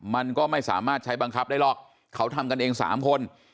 มันก็ไม่สามารถใช้บังคับได้หรอกเขาทำกันเอง๓คน